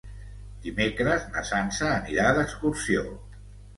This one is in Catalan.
Dimecres na Sança anirà d'excursió.